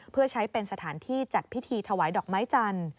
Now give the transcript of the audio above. เพื่อใช้เป็นสถานที่จัดพิธีถวายดอกไม้จันทร์